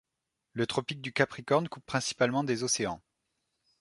Le tropique du Capricorne coupe principalement des océans.